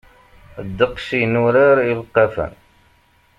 Ddeqs i nurar ileqqafen.